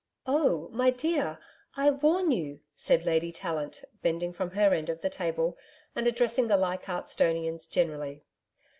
'Oh! my dear! I warn you,' said Lady Tallant, bending from her end of the table and addressing the Leichardt'stonians generally.